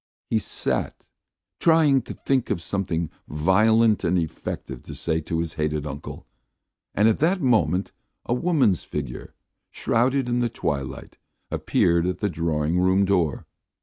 He sat trying to think of something violent and effective to say to his hated uncle, and at that moment a woman's figure, shrouded in the twilight, appeared at the drawing room door.